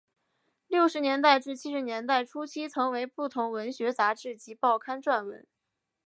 六十年代至七十年代初期曾为不同文学杂志及报刊撰文。